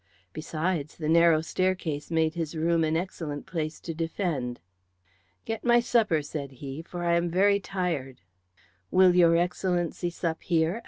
Besides, the narrow staircase made his room an excellent place to defend. "Get my supper," said he, "for I am very tired." "Will your Excellency sup here?"